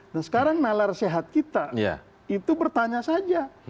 dan sekarang nalar sehat kita itu bertanya saja